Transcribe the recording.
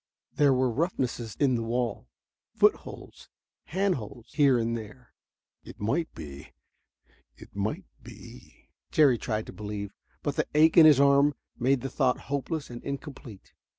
There were roughnesses in the wall, footholds, handholds here and there. "It might be ... it might be...." Jerry tried to believe, but the ache in his arm made the thought hopeless and incomplete.